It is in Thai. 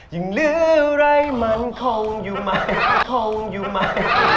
ยังเหลือไรมันคงอยู่ไหมคงอยู่ไหม